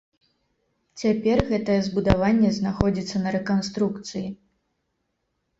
Цяпер гэтае збудаванне знаходзіцца на рэканструкцыі.